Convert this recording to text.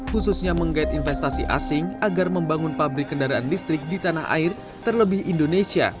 khususnya menggait investasi asing agar membangun pabrik kendaraan listrik di tanah air terlebih indonesia